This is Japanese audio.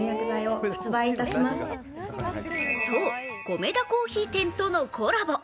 そう、コメダ珈琲店とのコラボ。